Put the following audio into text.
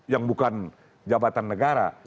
yang bukan jabatan negara